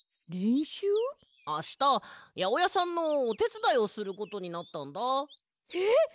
あしたやおやさんのおてつだいをすることになったんだ。えっ！？